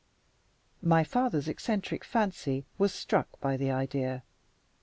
My father's eccentric fancy was struck by the idea.